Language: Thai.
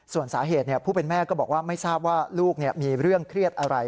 ส่วนสาเหตุผู้เป็นแม่ก็บอกว่าไม่ทราบว่าลูกมีเรื่องเครียดอะไร